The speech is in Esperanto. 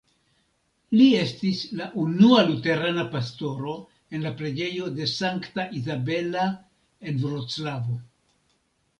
Li estis la unua luterana pastoro en la Preĝejo de Sankta Izabela, en Vroclavo.